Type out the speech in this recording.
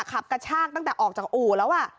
กระชากตั้งแต่ออกจากอู่แล้ว